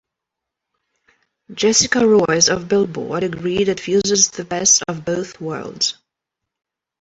Jessica Roiz of "Billboard" agreed it fuses "the best of both worlds".